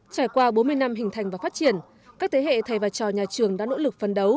trải qua bốn mươi năm hình thành và phát triển các thế hệ thầy và trò nhà trường đã nỗ lực phân đấu